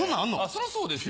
そりゃそうですよ。